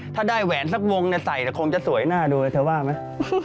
ถ้าได้แหวนสักวงเนี่ยใส่แต่คงจะสวยหน้าดูเลยเธอว่าไหม